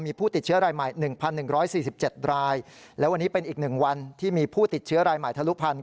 มีผู้ติดเชื้อรายใหม่หนึ่งพันหนึ่งร้อยสี่สิบเจ็ดรายแล้ววันนี้เป็นอีกหนึ่งวันที่มีผู้ติดเชื้อรายใหม่ทะลุพันธุ์